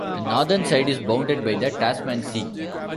The northern side is bounded by the Tasman Sea.